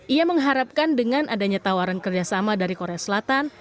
ia mengharapkan dengan adanya tawaran kerjasama dari korea selatan